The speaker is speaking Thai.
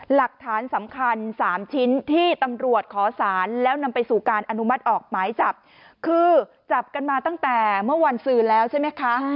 หลักฐานสำคัญ๓ชิ้นที่ตำรวจขอสารแล้วนำไปสู่การอนุมัติออกหมายจับคือจับกันมาตั้งแต่เมื่อวันสื่อแล้วใช่ไหมคะ